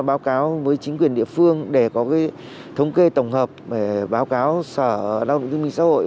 báo cáo với chính quyền địa phương để có cái thống kê tổng hợp báo cáo sở đạo đồng chứng minh xã hội